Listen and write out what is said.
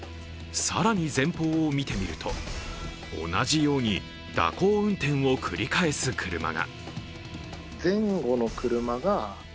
更に前方を見てみると、同じように蛇行運転を繰り返す車が。